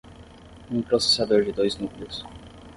Um processador de dois núcleos.